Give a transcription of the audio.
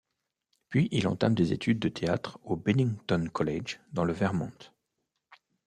Puis il entame des études de théâtre au Bennington College, dans le Vermont.